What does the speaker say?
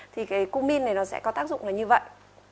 thì cái cung min này nó sẽ có tác dụng là như vậy